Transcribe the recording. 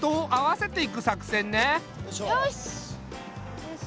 よいしょ。